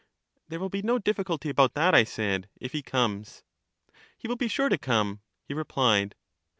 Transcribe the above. There will be no difficulty about that, I said, if he comes. He will be sure to come, he replied.